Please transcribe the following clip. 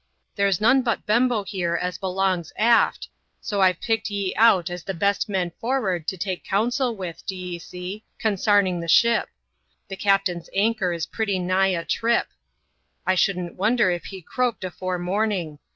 There's none bu Bembo here as belongs aft, so Fve picked ye out as the bes men for'ard to take counsel with, d'ye see, consarning the ship The captain's anchor is pretty nigh atrip ; I shouldn't wonde if he croaked afore morning.